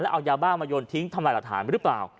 แล้วเอายาบ้ามาโยนทิ้งทำรายละทานหรือเปล่า